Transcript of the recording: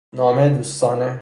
نامه دوستانه